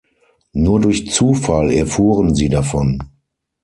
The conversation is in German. Nur durch Zufall erfuhren sie davon.